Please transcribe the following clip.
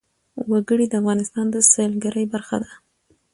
وګړي د افغانستان د سیلګرۍ برخه ده.